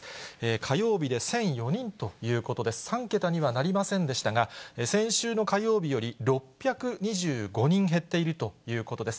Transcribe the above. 火曜日で１００４人ということで、３桁にはなりませんでしたが、先週の火曜日より６２５人減っているということです。